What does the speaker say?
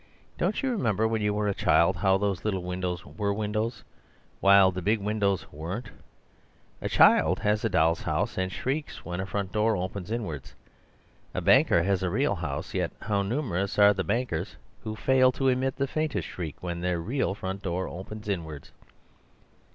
Don't you remember, when you were a child, how those little windows WERE windows, while the big windows weren't. A child has a doll's house, and shrieks when a front door opens inwards. A banker has a real house, yet how numerous are the bankers who fail to emit the faintest shriek when their real front doors open inwards.